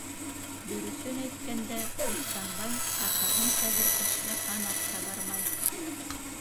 Дөрөҫөн әйткәндә, Ихсанбай атаһын хәҙер эшкә һанап та бармай.